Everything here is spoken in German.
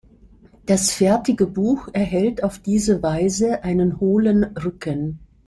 Das fertige Buch erhält auf diese Weise einen hohlen Rücken.